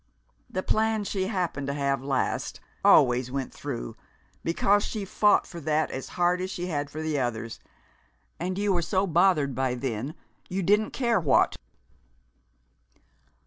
The plan she happened to have last always went through, because she fought for that as hard as she had for the others, and you were so bothered by then you didn't care what."